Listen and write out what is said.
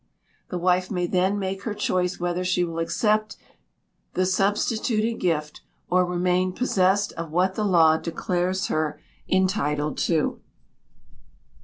The wife may then make her choice whether she will accept the substituted gift, or remain possessed of what the law declares her entitled to.